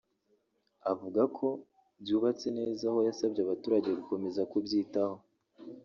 avuga ko byubatse neza ; aho yasabye abaturage gukomeza kubyitaho